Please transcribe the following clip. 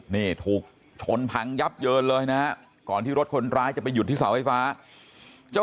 นี่ถูกชนพังยับเยินเลยนะฮะก่อนที่รถคนร้ายจะไปหยุดที่เสาไฟฟ้า